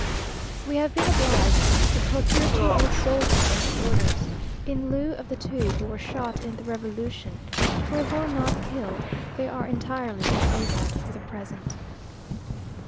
We have been obliged to procure two old soldiers as porters, in lieu of the two who were shot in the revolution; for though not killed, they are entirely disabled for the present.